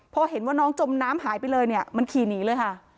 พอเห็นว่าน้องจมน้ำหายไปเลยเนี่ยมันขี่หนีเลยค่ะ